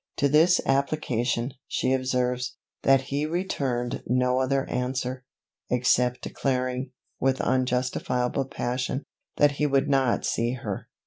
To this application, she observes, that "he returned no other answer, except declaring, with unjustifiable passion, that he would not see her."